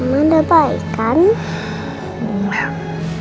emah udah baik kan